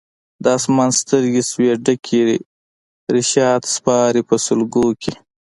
د اسمان سترګي سوې ډکي رشاد سپاري په سلګو کي